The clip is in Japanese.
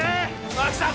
真紀さん